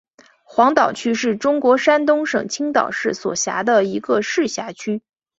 黄岛区是中国山东省青岛市所辖的一个市辖区。